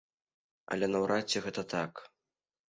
Але наўрад ці гэта так.